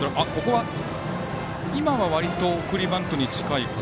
先程のは割と送りバントに近い。